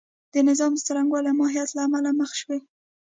د نظام د څرنګوالي او ماهیت له امله مخ شوې.